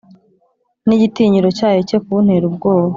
n’igitinyiro cyayo cye kuntera ubwoba,